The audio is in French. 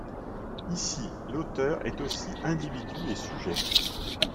Ici l'auteur est aussi individu et sujet.